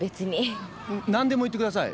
何でも言ってください。